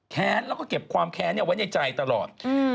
แค้นแล้วก็เก็บความแค้นไว้ในใจตลอด